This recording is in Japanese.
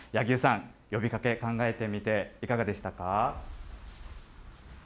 さん、呼びかけ、考えてみて、いかがでしたか？